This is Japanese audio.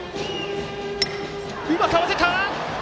うまく合わせた！